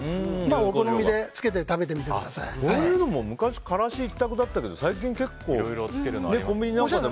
お好みでつけてこういうの昔はからし一択だったけど最近、結構コンビニなんかでも。